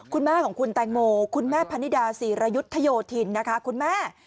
คุณแม่ของคุณแตงโมคุณแม่พนิดาศรีรยุทธโยธินนะคะคุณแม่